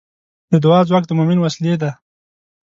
د دعا ځواک د مؤمن وسلې ده.